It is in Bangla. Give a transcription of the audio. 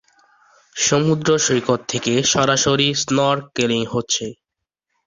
সমুদ্র সৈকত থেকে সরাসরি স্নরকেলিং হচ্ছে।